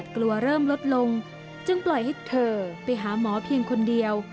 กลัวเริ่มลดลงจึงปล่อยให้เธอไปหาหมอเพียงคนเดียว